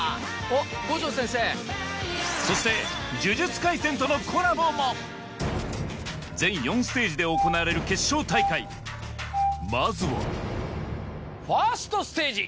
そして『呪術廻戦』とのコラボも全４ステージで行われる決勝大会まずはファーストステージ。